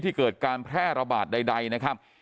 เกิดการแพร่ระบาดใดนะครับ